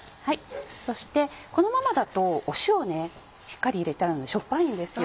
そしてこのままだと塩しっかり入れてあるのでしょっぱいんですよ。